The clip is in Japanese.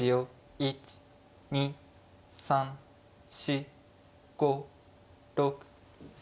１２３４５６７。